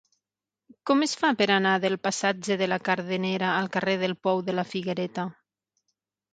Com es fa per anar de la passatge de la Cadernera al carrer del Pou de la Figuereta?